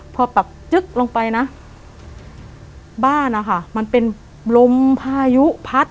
พอปรับจึ๊กลงไปนะบ้านนะคะมันเป็นลมพายุพัด